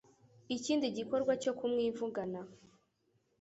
ikindi gikorwa cyo kumwivugana